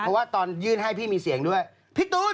เพราะว่าตอนยื่นให้พี่มีเสียงด้วยพี่ตูน